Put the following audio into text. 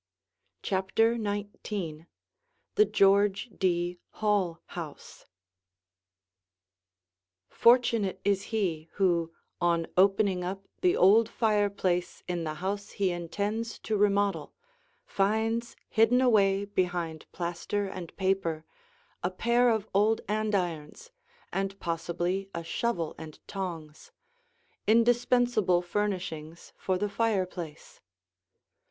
CHAPTER XIX THE GEORGE D. HALL HOUSE Fortunate is he who, on opening up the old fireplace in the house he intends to remodel, finds hidden away behind plaster and paper a pair of old andirons and possibly a shovel and tongs, indispensable furnishings for the fireplace.